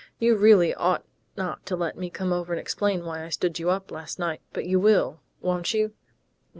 You really ought not to let me come over and explain why I stood you up last night, but you will, won't you?...